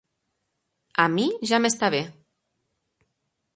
A mi ja m'està bé.